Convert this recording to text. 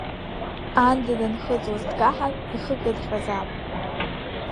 Аанда данхыҵуаз дкаҳан, ихы кыдҟьазаап.